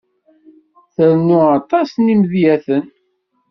Trennu aṭas n yimedyaten.